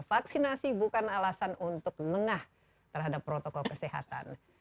vaksinasi bukan alasan untuk lengah terhadap protokol kesehatan